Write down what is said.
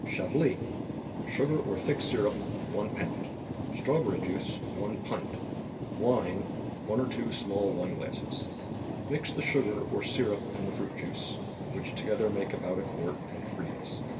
C^ablte. Sugar, or thick syrup, 1 lb. ; Strawberry juice, 1 pint; Wine, 1 or 2 small wineglasses. Mix the sugar, or syrup, and the fruit juice, which to¬ gether make about a quart, and freeze.